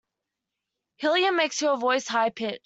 Helium makes your voice high pitched.